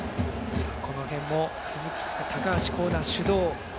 この辺も高橋光成主導。